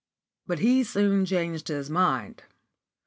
But he soon changed his mind.